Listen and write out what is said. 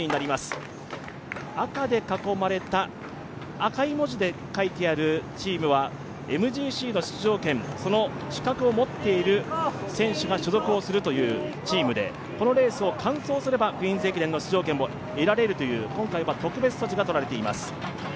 赤い文字で書いてあるチームはＭＧＣ出場権、その資格を持っている選手が所属をするというチームでこのレースを完走すればクイーンズ駅伝の出場権を得られるという今回は特別措置が取られています。